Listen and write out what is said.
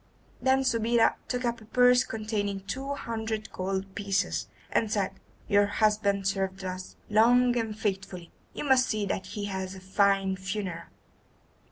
Then Subida took up a purse containing two hundred gold pieces, and said: "Your husband served us long and faithfully. You must see that he has a fine funeral."